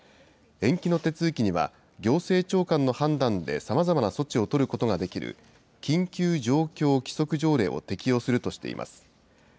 延期の手続きには、行政長官の判断でさまざまな措置を取ることができる、緊急状況規則条例を適用するとしています。